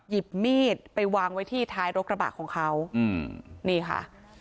หยิบมีดไปวางไว้ที่ท้ายรกระบะของเขาอืมนี่ค่ะ